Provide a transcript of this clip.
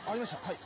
はい。